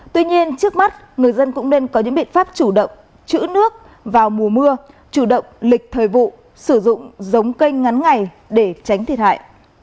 tuy nhiên trước mắt người dân cũng nên có những biện pháp chủ động chữ nước vào mùa mưa chủ động lịch thời vụ sử dụng giống cây ngắn ngày để tránh thiệt hại